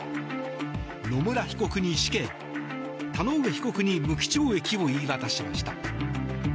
野村被告に死刑田上被告に無期懲役を言い渡しました。